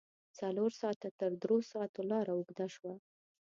څلور ساعته تر دروساتو لار اوږده شوه.